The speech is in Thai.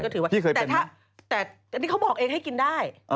แต่อันนี้เขาบอกเองให้กินได้